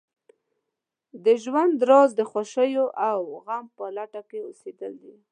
د ژوند راز د خوښیو او غمو په لټه کې اوسېدل دي.